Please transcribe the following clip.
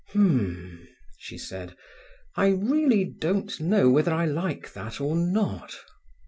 "H'm!" she said, "I really don't know whether I like that or not."